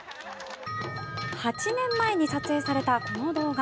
８年前に撮影されたこの動画。